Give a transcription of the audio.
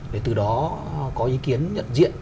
để từ đó có ý kiến nhận diện